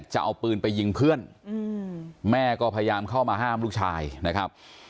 จะเอาปืนไปยิงเพื่อนแม่ก็พยายามเข้ามาห้ามลูกชายนะครับ